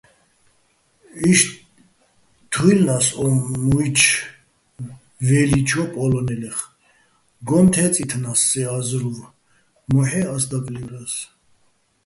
იშტ თუჲლნა́ს ო მუჲში̆ ვე́ლიჩო̆ პოლო́ნელეხ, გოჼ თე́წჲინას სე ა́ზრუვ, მოჰ̦ე́ ას დაკლივრა́ს.